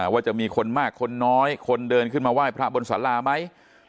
ว่าจะมีคนมากคนน้อยคนเดินขึ้นมาไหว้พระบนสาราไหม